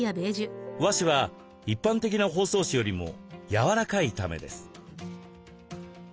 和紙は一般的な包装紙よりも柔らかいためです。